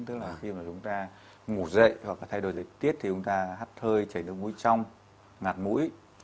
tức là khi chúng ta ngủ dậy hoặc thay đổi dịch tiết thì chúng ta hát hơi chảy nước mũi trong ngạt mũi